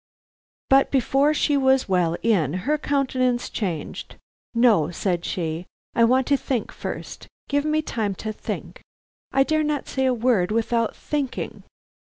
But before she was well in, her countenance changed. "No," said she, "I want to think first. Give me time to think. I dare not say a word without thinking."